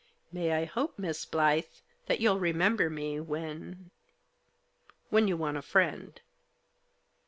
" May I hope, Miss Blyth, that you'll remember me when — when you want a friend